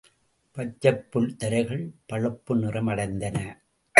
பச்சைப்புல் தரைகள் பழுப்பு நிறமடைந்தன.